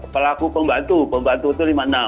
pelaku pembantu pembantu itu lima puluh enam